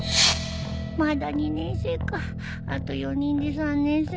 まだ２年生かあと４人で３年生